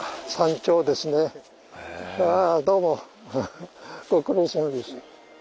どうもご苦労さまです。